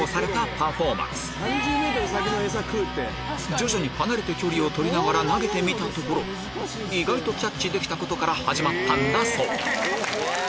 徐々に離れて距離を取りながら投げてみたところ意外とキャッチできたことから始まったんだそうすごい！